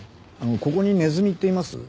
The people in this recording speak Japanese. ここにネズミっています？